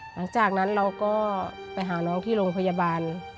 หลังจากนั้นเราก็ไปหาน้องที่โรงพยาบาล